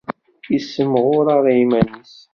Ur yessimɣur ara iman-is.